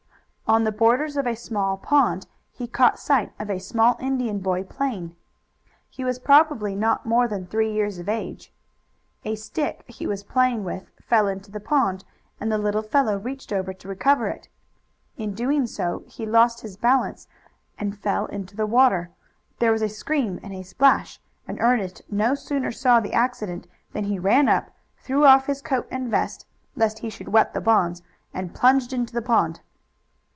On the borders of a small pond he caught sight of a small Indian boy playing. He was probably not more than three years of age. A stick he was playing with fell into the pond, and the little fellow reached over to recover it. In doing so he lost his balance and fell into the water; there was a scream and a splash, and Ernest no sooner saw the accident than he ran up, threw off his coat and vest, lest he should wet the bonds, and plunged into the pond.